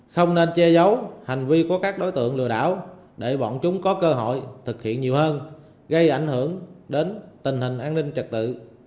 không nên che giấu hành vi của các đối tượng lừa đảo để bọn chúng có cơ hội thực hiện nhiều hơn gây ảnh hưởng đến tình hình an ninh trật tự